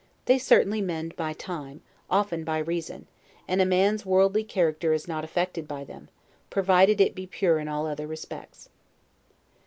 They certainly mend by time, often by reason; and a man's worldly character is not affected by them, provided it be pure in all other respects.